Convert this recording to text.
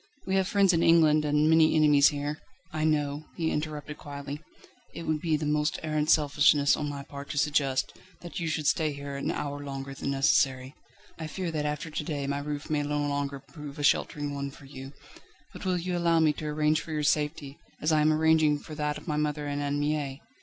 We have friends in England, and many enemies here ..." "I know," he interrupted quietly; "it would be the most arrant selfishness on my part to suggest, that you should stay here an hour longer than necessary. I fear that after to day my roof may no longer prove a sheltering one for you. But will you allow me to arrange for your safety, as I am arranging for that of my mother and Anne Mie?